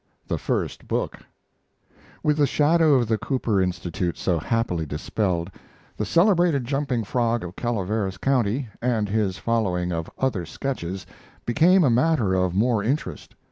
THE FIRST BOOK With the shadow of the Cooper Institute so happily dispelled, The Celebrated Jumping Frog of Calaveras County, and his following of Other Sketches, became a matter of more interest.